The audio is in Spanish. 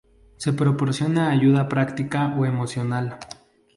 Se proporciona ayuda práctica o emocional.